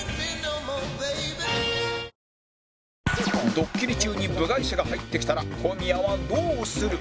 ドッキリ中に部外者が入ってきたら小宮はどうする？